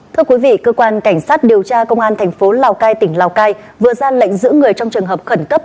thưa quý vị cơ quan cảnh sát điều tra công an thành phố lào cai tỉnh lào cai vừa ra lệnh giữ người trong trường hợp khẩn cấp